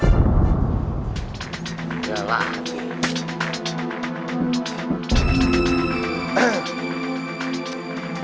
udah lah deh